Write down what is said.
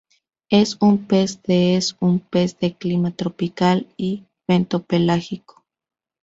Es un pez de Es un pez de clima tropical y bentopelágico.